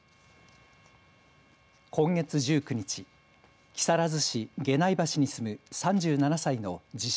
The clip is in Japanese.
今月１９日木更津市下内橋に住む３７歳の自称